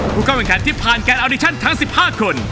ผู้เข้าออกการที่ผ่านการออดิชันทั้ง๑๕คน